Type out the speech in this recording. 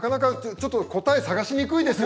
ちょっと答え探しにくいですよ。